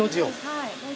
はい。